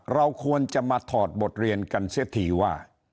เราควรจะมาถอดบทเรียนกันเสียทีว่า